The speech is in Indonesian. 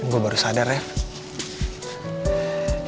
gue baru sadar ya